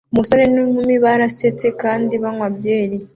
Umusore n'inkumi barasetsa kandi banywa byeri